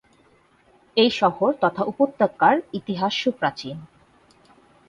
এই শহর তথা উপত্যকার ইতিহাস সুপ্রাচীন।